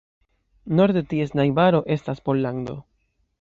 Norde ties najbaro estas Pollando.